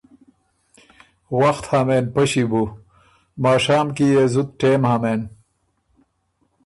”وخت هۀ مېن پݭی بُو، لماشام کی يې زُت ټېم هۀ مېن“